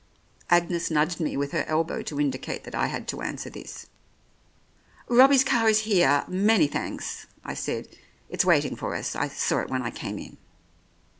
Agnes nudged me with her elbow to indicate that I had to answer this. "Robbie's car is here, many thanks," I said. "It's waiting for us. I saw it when I came in."